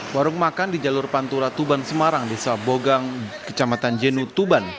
warung makan di jalur pantura tuban semarang desa bogang kecamatan jenu tuban